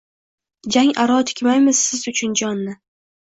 Jang aro tikmaymiz siz uchun jonni.